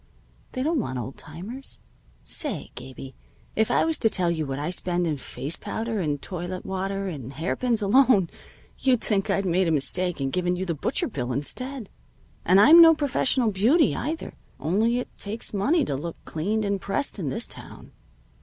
They don't want old timers. Why, say, Gabie, if I was to tell you what I spend in face powder and toilette water and hairpins alone, you'd think I'd made a mistake and given you the butcher bill instead. And I'm no professional beauty, either. Only it takes money to look cleaned and pressed in this town."